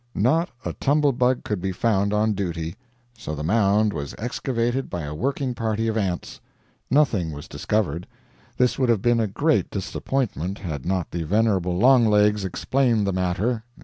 Not a Tumble Bug could be found on duty, so the Mound was excavated by a working party of Ants. Nothing was discovered. This would have been a great disappointment, had not the venerable Longlegs explained the matter.